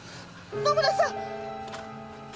野村さん！